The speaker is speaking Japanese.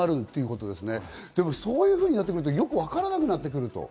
そういうふうになってくると、よくわからなくなってくると。